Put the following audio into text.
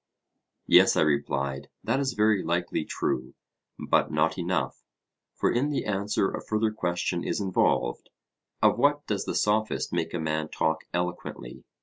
Yes, I replied, that is very likely true, but not enough; for in the answer a further question is involved: Of what does the Sophist make a man talk eloquently?